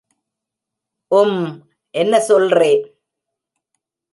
ஊம் என்ன சொல்றே!